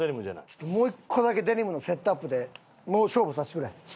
ちょっともう１個だけデニムのセットアップで勝負させてくれ。